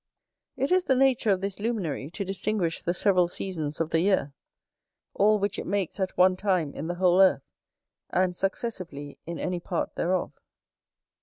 It is the nature of this luminary to distinguish the several seasons of the year; all which it makes at one time in the whole earth, and successively in any part thereof.